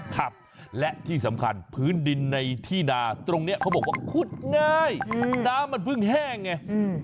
ครับและที่สำคัญพื้นดินในที่นาตรงนี้เขาบอกว่าคุดง่ายน้ำมันเพิ่งแห้งไง